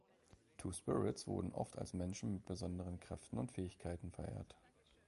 Two-Spirits wurden oft als Menschen mit besonderen Kräften und Fähigkeiten verehrt.